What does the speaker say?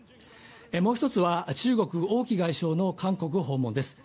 もう１つは、中国・王毅外相の韓国訪問です。